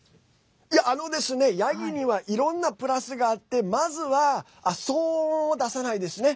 ヤギにはいろんなプラスがあってまずは、騒音を出さないですね。